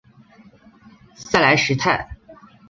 塞莱什泰。